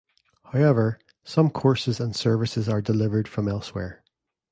However, some courses and services are delivered from elsewhere.